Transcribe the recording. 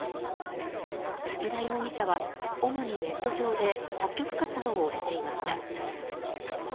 土田容疑者は主にネット上で作曲活動をしていました。